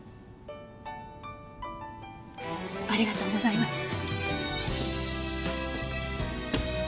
ありがとうございます。